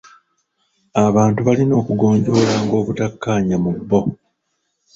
Abantu balina okugonjoolanga obutakkaanya mu bbo.